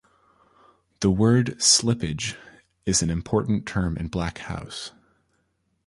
The word 'slippage' is an important term in Black House.